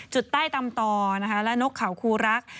จุดใต้ตำต่อนะคะและนกเขาคูรัก